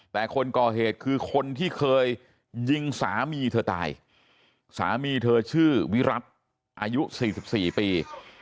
แต่คนก่อเหตุคือคนที่เคยยิงสามีเธอตายสามีเธอชื่อวิรัติอายุ๔๔ปี